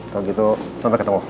kalau gitu sampai ketemu